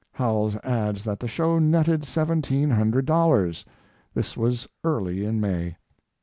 Howells adds that the show netted seventeen hundred dollars. This was early in May.